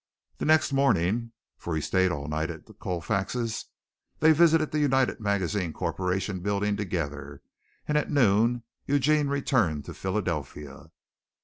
The next morning, for he stayed all night at Colfax's, they visited the United Magazines Corporation building together, and at noon Eugene returned to Philadelphia.